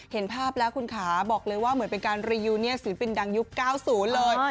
เห็นภาพแล้วคุณขาบอกเลยว่าเหมือนเป็นการรียูเนียนศิลปินดังยุค๙๐เลย